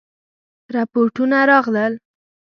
رپوټونه راغلل.